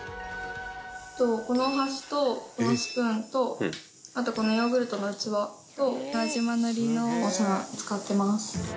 このお箸とこのスプーンとあとこのヨーグルトの器と輪島塗のお皿使ってます。